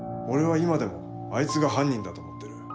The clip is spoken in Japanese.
俺は今でもあいつが犯人だと思ってる。